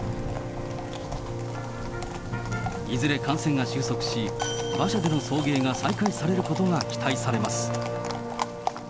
いずれ感染が収束し、馬車での送迎が再開されることが期待されます。